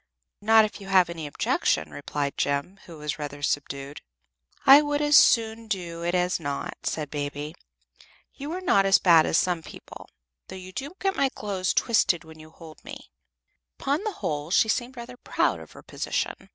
"Not if you have any objection," replied Jem, who was rather subdued. "I would as soon do it as not," said Baby. "You are not as bad as some people, though you do get my clothes twisted when you hold me." Upon the whole, she seemed rather proud of her position.